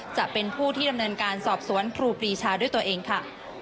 จะเป็นผู้ที่ดำเนินการสอบสวนครูปรีชาด้วยตัวเองค่ะ